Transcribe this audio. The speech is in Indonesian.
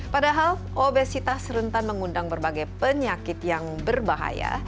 padahal obesitas rentan mengundang berbagai penyakit yang berbahaya